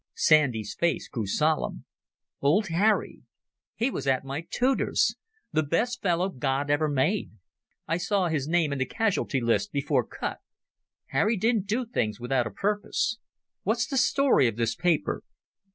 Sandy's face grew solemn. "Old Harry. He was at my tutor's. The best fellow God ever made. I saw his name in the casualty list before Kut. ... Harry didn't do things without a purpose. What's the story of this paper?"